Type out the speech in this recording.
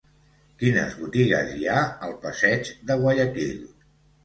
Quines botigues hi ha al passeig de Guayaquil?